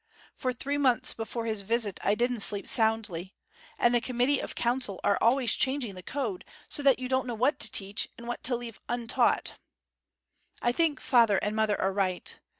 For three months before his visit I didn't sleep soundly. And the Committee of Council are always changing the Code, so that you don't know what to teach, and what to leave untaught. I think father and mother are right.